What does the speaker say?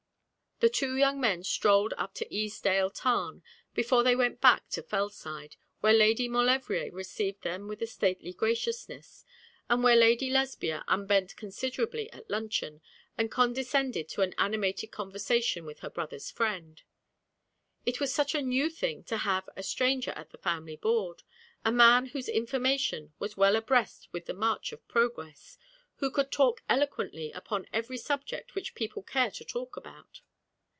The two young men strolled up to Easedale Tarn before they went back to Fellside, where Lady Maulevrier received them with a stately graciousness, and where Lady Lesbia unbent considerably at luncheon, and condescended to an animated conversation with her brother's friend. It was such a new thing to have a stranger at the family board, a man whose information was well abreast with the march of progress, who could talk eloquently upon every subject which people care to talk about.